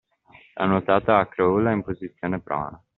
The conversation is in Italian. La nuotata a crawl è in posizione prona